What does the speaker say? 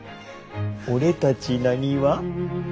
俺たちなにわ。